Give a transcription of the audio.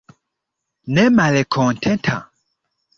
Ne malkontenta?